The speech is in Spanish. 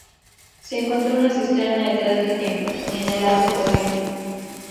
Se encontró una cisterna detrás del templo, en el lado oeste.